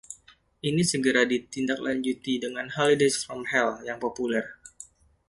Ini segera ditindaklanjuti dengan "Holidays from Hell" yang populer.